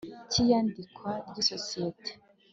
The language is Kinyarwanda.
Cy iyandikwa ry isosiyete